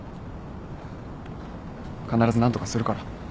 必ず何とかするから。